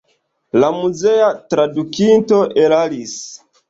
La muzea tradukinto eraris.